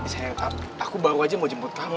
saya aku baru aja mau jemput kamu